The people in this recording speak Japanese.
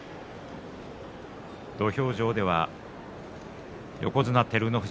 土俵上では横綱照ノ富士